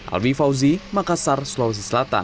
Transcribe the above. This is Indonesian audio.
alwi fauzi makassar sulawesi selatan